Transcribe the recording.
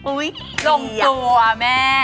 อุ๊ยลงตัวแม่